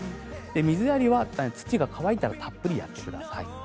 水やりは、土が乾いたらたっぷりやってください。